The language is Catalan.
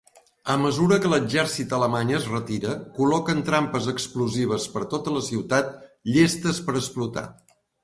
A mesura que l'Exèrcit alemany es retira, col·loquen trampes explosives per tota la ciutat llestes per explotar.